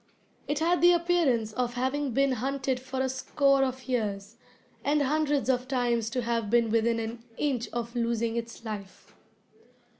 It had the appearance of having been hunted for a score of years, and hundreds of times to have been within an inch of losing its life.